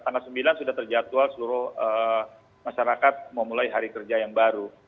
tanggal sembilan sudah terjadwal seluruh masyarakat memulai hari kerja yang baru